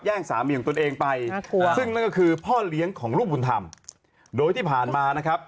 สามีของตนเองไปซึ่งนั่นก็คือพ่อเลี้ยงของลูกบุญธรรมโดยที่ผ่านมานะครับ